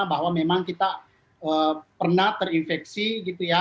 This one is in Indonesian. bahwa memang kita pernah terinfeksi gitu ya